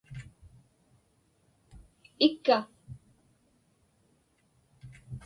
ikka